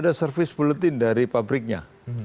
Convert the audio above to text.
ada service bulletin dari pabriknya